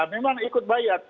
memang ikut bayat